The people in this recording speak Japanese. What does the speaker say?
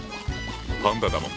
パンダだもん。